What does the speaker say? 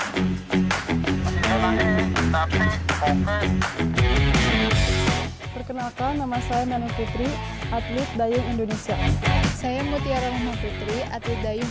perkenalkan nama saya nenek fitri atlet dayung indonesia saya mutiara nenek fitri atlet dayung